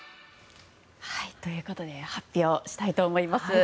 ということで発表したいと思います。